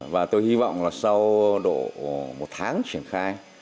và tôi hy vọng là sau độ một tháng triển khai